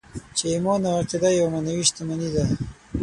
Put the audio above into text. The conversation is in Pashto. چې ايمان او عقیده يوه معنوي شتمني ده.